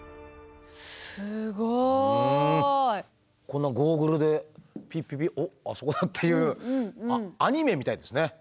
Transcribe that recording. このゴーグルでピッピピおっあそこだっていうアニメみたいですね。